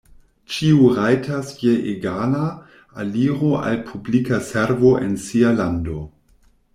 Ĉiu rajtas je egala aliro al publika servo en sia lando.